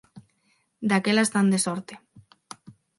Daquela están de sorte.